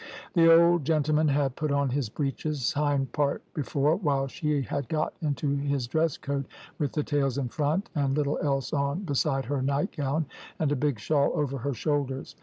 The old gentleman had put on his breeches hind part before, while she had got into his dress coat with the tails in front, and little else on beside her night gown, and a big shawl over her shoulders.